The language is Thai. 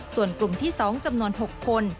ส่วนกลุ่มที่๒จำนวน๖คน